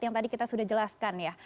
yang tadi kita sudah jelaskan ya